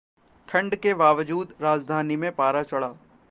ठंड के बावजूद राजधानी में पारा चढ़ा